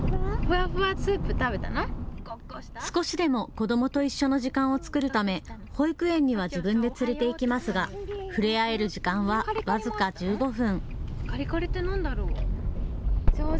少しでも子どもと一緒の時間を作るため、保育園には自分で連れて行きますが触れ合える時間は僅か１５分。